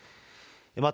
また、